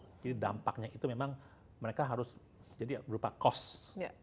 jadi dampaknya itu memang mereka harus jadi berupa cost